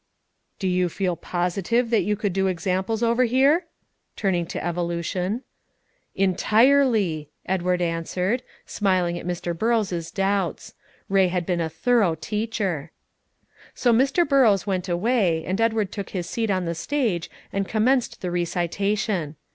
"Do you feel positive that you could do examples over here?" turning to "Evolution." "Entirely," Edward answered, smiling at Mr. Burrows' doubts. Ray had been a thorough teacher. So Mr. Burrows went away, and Edward took his seat on the stage and commenced the recitation.